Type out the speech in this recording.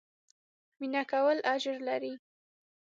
مينه کول اجر لري